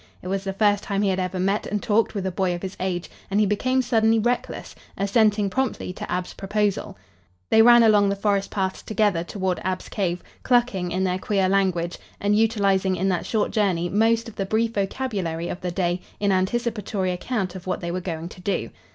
It was the first time he had ever met and talked with a boy of his age, and he became suddenly reckless, assenting promptly to Ab's proposal. They ran along the forest paths together toward Ab's cave, clucking in their queer language and utilizing in that short journey most of the brief vocabulary of the day in anticipatory account of what they were going to do.